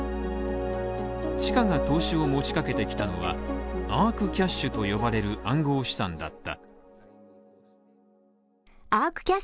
ちかが投資を持ちかけてきたのがアークキャッシュと呼ばれる暗号資産だった。